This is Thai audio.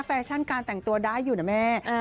แฟชั่นการแต่งตัวได้อยู่นะแม่